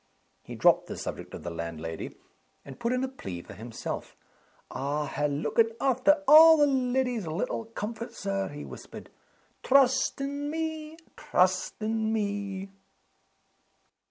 He dropped the subject of the landlady, and put in a plea for himself. "I ha' lookit after a' the leddy's little comforts, Sir," he whispered. "Trust in me! trust in me!"